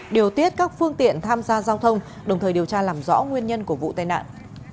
điều tiết các phương tiện tham gia giao thông đồng thời điều tra làm rõ nguyên nhân của vụ tai nạn